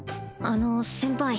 あの先輩